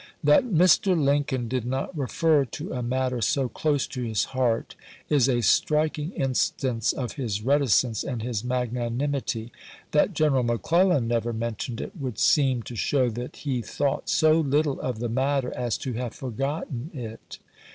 That Mr. Lincoln did not refer to a matter so close to his heart is a strik ing instance of his reticence and his magnanimity ; that General McClellan never mentioned it would PLANS OF CAMPAIGN 159 seem to show that he thought so little of the matter chap. ix. as to have forgotten it.